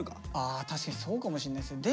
あ確かにそうかもしんないですね。